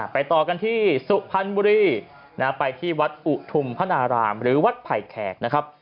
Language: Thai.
ต่อกันที่สุพรรณบุรีไปที่วัดอุทุมพนารามหรือวัดไผ่แขกนะครับ